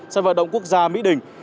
sân vận động quốc gia mỹ đỉnh